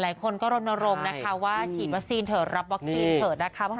หลายคนก็รณรงค์นะคะว่าฉีดวัคซีนเถอะรับวัคซีนเถอะนะคะ